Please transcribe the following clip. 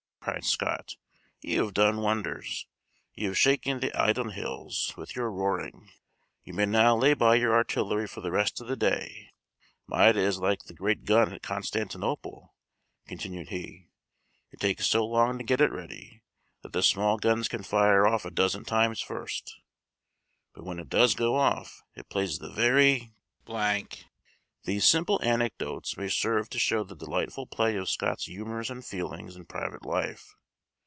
cried Scott, "you have done wonders. You have shaken the Eildon hills with your roaring; you may now lay by your artillery for the rest of the day. Maida is like the great gun at Constantinople," continued he; "it takes so long to get it ready, that the small guns can fire off a dozen times first, but when it does go off it plays the very d l." These simple anecdotes may serve to show the delightful play of Scott's humors and feelings in private life.